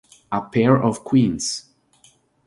A Pair of Queens